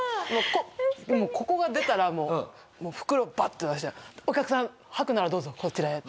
ここが出たらもう袋バッて出して「お客さん吐くならどうぞこちらへ」って。